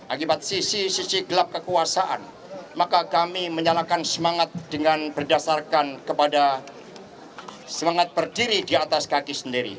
akibat sisi sisi gelap kekuasaan maka kami menyalakan semangat dengan berdasarkan kepada semangat berdiri di atas kaki sendiri